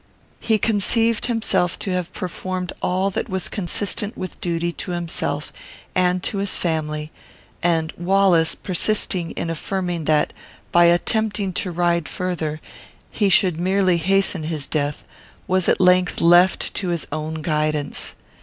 He conceived himself to have performed all that was consistent with duty to himself and to his family; and Wallace, persisting in affirming that, by attempting to ride farther, he should merely hasten his death, was at length left to his own guidance.